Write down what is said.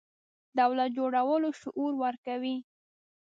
دولت جوړولو شعور ورکوي.